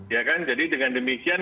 ya kan jadi dengan demikian